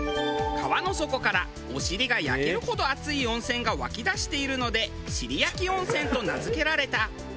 川の底からお尻が焼けるほど熱い温泉が湧き出しているので尻焼温泉と名付けられた。